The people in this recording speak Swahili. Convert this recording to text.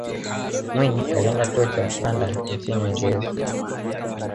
mwinyi alienda chuo cha london nchini uingereza